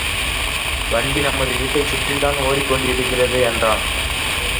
வண்டி நமது வீட்டைச் சுற்றித்தான் ஒடிக் கொண்டிருக்கிறது என்றான்.